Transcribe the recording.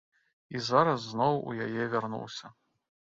І зараз зноў у яе вярнуўся.